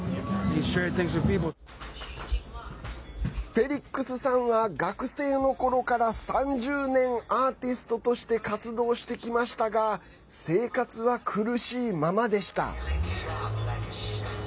フェリックスさんは学生のころから３０年アーティストとして活動してきましたが生活は苦しいままでした。